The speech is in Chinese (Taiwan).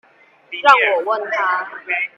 讓我問他